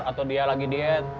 atau dia lagi diet